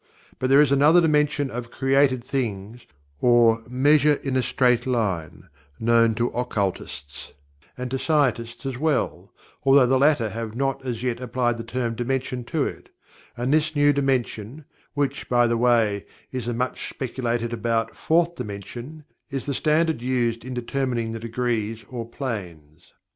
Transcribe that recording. But there is another dimension of "created things" or "measure in a straight line," known to occultists, and to scientists as well, although the latter have not as yet applied the term "dimension" to it and this new dimension, which, by the way, is the much speculated about "Fourth Dimension," is the standard used in determining the degrees or "planes."